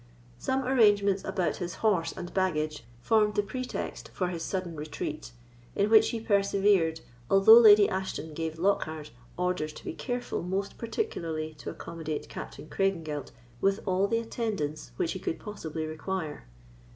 Some arrangements about his horse and baggage formed the pretext for his sudden retreat, in which he persevered, although Lady Ashton gave Lockhard orders to be careful most particularly to accommodate Captain Craigengelt with all the attendance which he could possibly require.